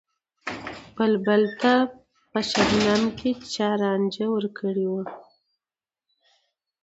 بلبل ته په شبنم کــــې چا رانجه ور کـــړي وو